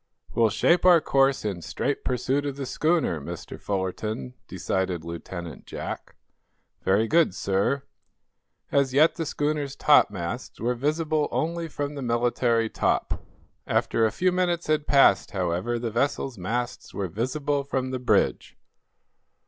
"We'll shape our course in straight pursuit of the schooner, Mr. Fullerton," decided Lieutenant Jack. "Very good, sir." As yet the schooner's topmasts were visible only from the military top. After a few minutes had passed, however, the vessel's masts were visible from the bridge.